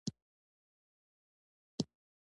انسان ته پکار ده چې په درېدو پرته دوام ورکړي.